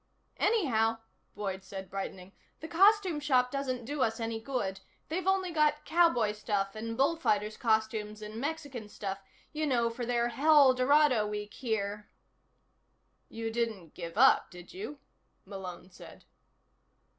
"Anyhow," Boyd said, brightening, "the costume shop doesn't do us any good. They've only got cowboy stuff and bullfighters' costumes and Mexican stuff you know, for their Helldorado Week here." "You didn't give up, did you?" Malone said.